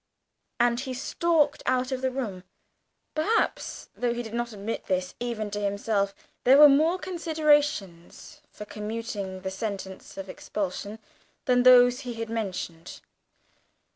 And he stalked out of the room. Perhaps, though he did not admit this even to himself, there were more considerations for commuting the sentence of expulsion than those he had mentioned.